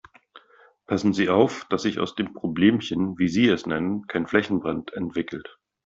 Passen Sie auf, dass sich aus dem Problemchen, wie Sie es nennen, kein Flächenbrand entwickelt.